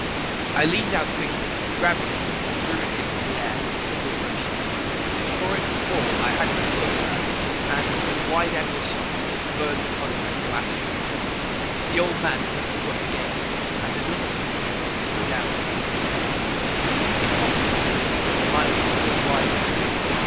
I leaned out quickly, grabbed it and threw it into the air with a single motion. Before it could fall, I had my Solar out and, with a wide angle shot, burned the contract to ashes. The Old Man pressed the button again and another contract slid out on his desk. If possible, the smile was still wider now.